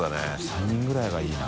３人ぐらいがいいな。